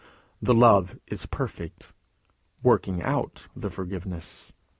The love is perfect, working out the forgiveness.